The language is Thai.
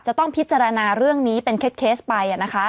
จะต้องพิจารณาเรื่องนี้เป็นเคสไป